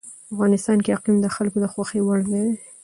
افغانستان کې اقلیم د خلکو د خوښې وړ ځای دی.